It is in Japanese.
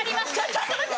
ちょっと待って！